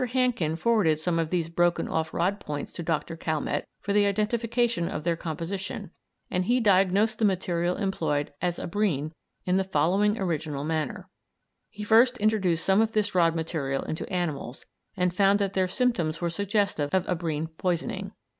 Hankin forwarded some of these broken off rod points to Dr. Calmette for the identification of their composition, and he diagnosed the material employed as abrine in the following original manner. He first introduced some of this rod material into animals, and found that their symptoms were suggestive of abrine poisoning.